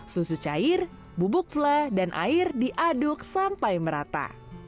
sus cair bubuk flan dan air diaduk sampai merata